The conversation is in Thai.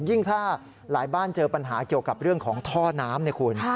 ถ้าหลายบ้านเจอปัญหาเกี่ยวกับเรื่องของท่อน้ำเนี่ยคุณ